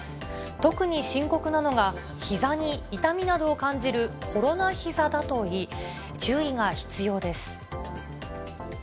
特に深刻なのが、ひざに痛みなどを感じる、コロナひざだといい、注意が必要です。